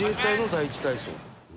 第１体操」